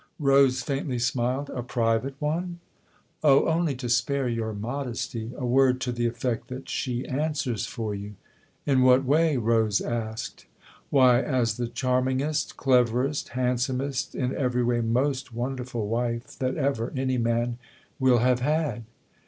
Rose faintly smiled. " A private one ?"" Oh, only to spare your modesty : a word to the effect that she answers for you." " In what way ?" Rose asked. " Why, as the charmingest, cleverest, handsomest, in every way most wonderful wife that ever any man will have had."